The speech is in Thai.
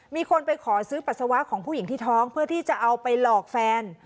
มีคนไปขอซื้อปัสสาวะของผู้หญิงที่ท้องเพื่อที่จะเอาไปหลอกแฟน